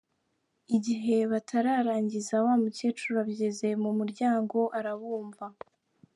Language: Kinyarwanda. Igihe batararangiza, wa mukecuru aba ageze mu muryango arabumva.